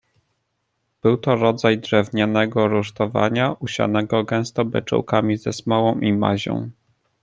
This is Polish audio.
"Był to rodzaj drewnianego rusztowania, usianego gęsto beczułkami ze smołą i mazią."